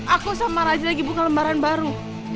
aku sama raja lagi buka lembaran baru